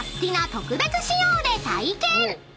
特別仕様で体験］